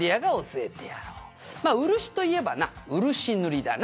「まあ漆といえばな漆塗りだな」